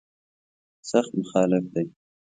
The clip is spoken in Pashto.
سخت مخالف دی.